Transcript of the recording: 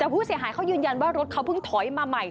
แต่ผู้เสียหายเขายืนยันว่ารถเขาเพิ่งถอยมาใหม่